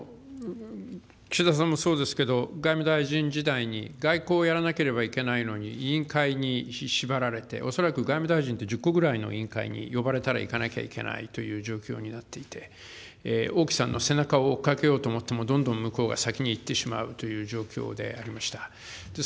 岸田さんもそうですけれども、外務大臣時代に、外交をやらなければいけないのに委員会に縛られて、恐らく外務大臣って、１０個ぐらいの委員会に呼ばれたら行かなきゃいけないという状況になっていて、王毅さんの背中を追いかけようと思っても、どんどん向こうが先に行ってしまうというような状況であります。